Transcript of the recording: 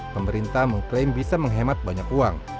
pemerintah mengklaim bisa menghemat banyak uang